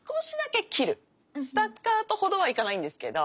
スタッカートほどはいかないんですけど。